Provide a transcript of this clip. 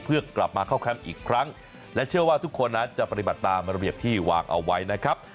เพื่อกลับมาเข้าแคมป์อีกครั้งและเชื่อว่าทุกคนนั้นจะปฏิบัติตามระเบียบที่วางเอาไว้นะครับ